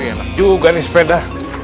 enak juga nih sepeda